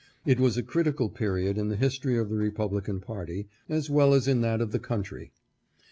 It was a critical period in the his tory of the Republican party, as well as in that of the country.